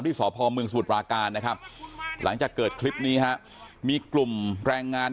สพมสมุทรปราการนะครับหลังจากเกิดคลิปนี้ฮะมีกลุ่มแรงงาน